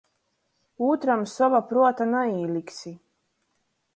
Ūtram sova pruota naīliksi.